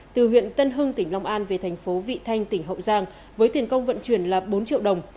từ huyện tân hưng tỉnh long an về thành phố vị thanh tỉnh hậu giang với tiền công vận chuyển là bốn triệu đồng